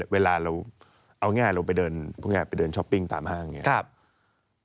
เวลาเราเอาง่ายเราไปเดินช้อปปิ้งตามห้างอย่างนี้